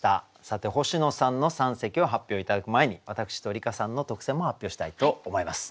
さて星野さんの三席を発表頂く前に私と梨香さんの特選も発表したいと思います。